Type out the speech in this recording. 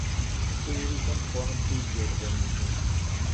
S tayri tameqrant i yigerdan-nni.